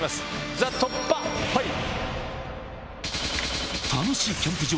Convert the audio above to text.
ＴＨＥ突破ファイル！